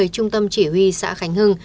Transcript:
trung tâm chỉ huy xã khánh hưng